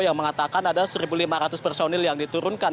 yang mengatakan ada satu lima ratus personil yang diturunkan